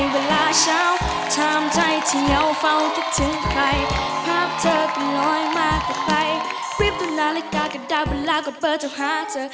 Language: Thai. เวลาก็เปิดเจ้าหาเธอ